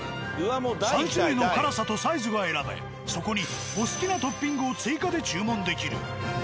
３種類の辛さとサイズが選べそこにお好きなトッピングを追加で注文できる。